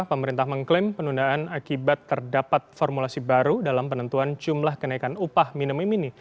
pemerintah mengklaim penundaan akibat terdapat formulasi baru dalam penentuan jumlah kenaikan upah minimum ini